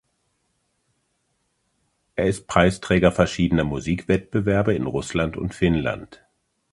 Er ist Preisträger verschiedener Musikwettbewerbe in Russland und Finnland.